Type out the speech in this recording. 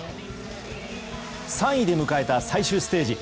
３位で迎えた最終ステージ。